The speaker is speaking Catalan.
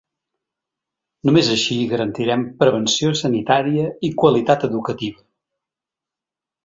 Només així garantirem prevenció sanitària i qualitat educativa.